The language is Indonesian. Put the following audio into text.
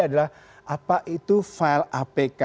adalah apa itu file apk